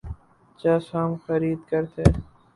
چس ہم خرید کر تھے